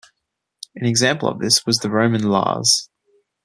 An example of this was the Roman Lares.